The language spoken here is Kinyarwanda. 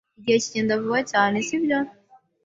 Igihe kigenda vuba cyane, sibyo?